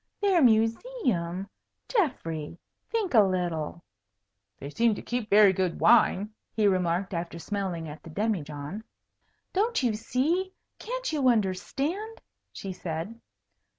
"Their museum! Geoffrey, think a little." "They seem to keep very good wine," he remarked, after smelling at the demijohn. "Don't you see? Can't you understand?" she said.